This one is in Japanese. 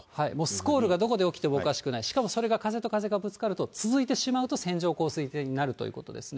スコールがどこで起きてもおかしくない、しかもそれが風と風とがぶつかると続いてしまうと線状降水帯になるということですね。